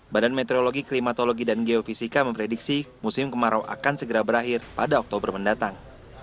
badan meteorologi klimatologi dan geofisika memprediksi musim kemarau akan segera berakhir pada oktober mendatang